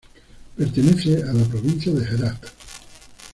Pertenece a la provincia de Herāt.